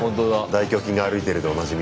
大胸筋が歩いてるでおなじみの。